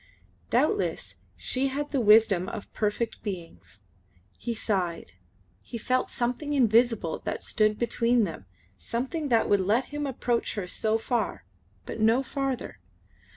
Doubtless she had the wisdom of perfect beings. He sighed. He felt something invisible that stood between them, something that would let him approach her so far, but no farther.